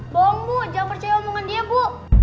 bohong bu jangan percaya omongan dia bu